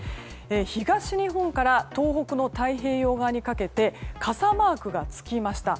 東日本から東北の太平洋側にかけて傘マークがつきました。